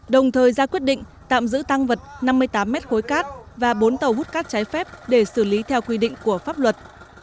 đồng thời ra quyết định tạm giữ tăng vật năm mươi tám mét khối cát và bốn tàu hút cát trái phép để xử lý theo quy định của pháp luật